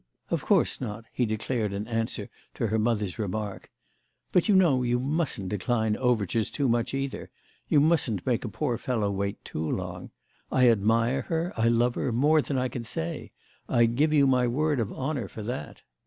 "Of course not," he declared in answer to her mother's remark. "But you know you mustn't decline overtures too much either; you mustn't make a poor fellow wait too long. I admire her, I love her, more than I can say; I give you my word of honour for that."